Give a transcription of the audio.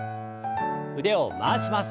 腕を回します。